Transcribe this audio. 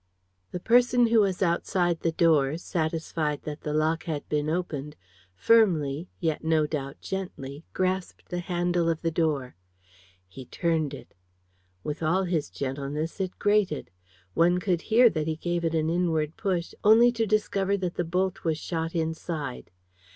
The person who was outside the door, satisfied that the lock had been opened, firmly, yet no doubt gently, grasped the handle of the door. He turned it. With all his gentleness it grated. One could hear that he gave it an inward push, only to discover that the bolt was shot inside.